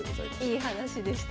いい話でしたね。